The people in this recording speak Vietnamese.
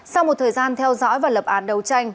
sau một thời gian theo dõi và lập án đấu tranh